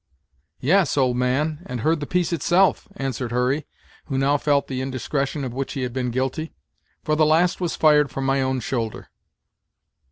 "Yes, old man, and heard the piece itself," answered Hurry, who now felt the indiscretion of which he had been guilty, "for the last was fired from my own shoulder."